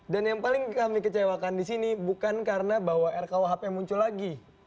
dan yang paling kami kecewakan di sini bukan karena bahwa rkuhp muncul lagi